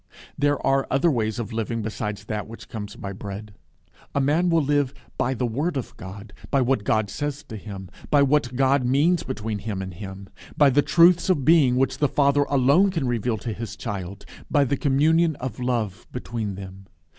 There are other ways of living besides that which comes by bread. A man will live by the word of God, by what God says to him, by what God means between Him and him, by the truths of being which the Father alone can reveal to his child, by the communion of love between them.